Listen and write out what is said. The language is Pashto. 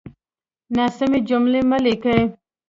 ناسمې جملې مه ليکئ!